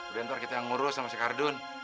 udah ntar kita yang ngurus sama si kardun